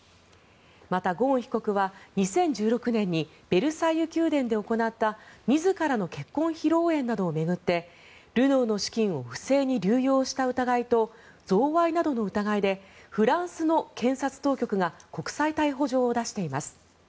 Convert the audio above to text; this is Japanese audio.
また、ゴーン被告は２０１６年にベルサイユ宮殿で行った自らの結婚披露宴などを巡ってルノーの資金を不正に流用した疑いと贈賄などの疑いでフランスの検察当局が国際逮捕状を出しています。